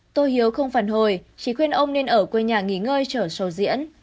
tô hiếu không phản hồi chỉ khuyên ông nên ở quê nhà nghỉ ngơi trở sầu diễn